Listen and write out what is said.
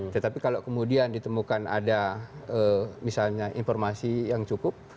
tetapi kalau kemudian ditemukan ada misalnya informasi yang cukup